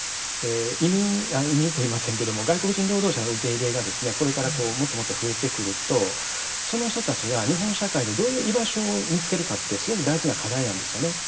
移民あっ移民と言いませんけども外国人労働者の受け入れがですねこれからこうもっともっと増えてくるとその人たちが日本社会でどういう居場所を見つけるかってすごく大事な課題なんですよね。